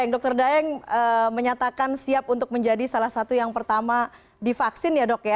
dokter daeng menyatakan siap untuk menjadi salah satu yang pertama divaksin ya dok ya